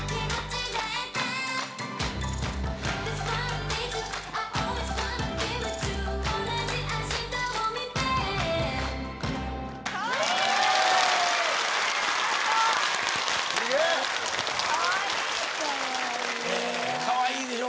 かわいい！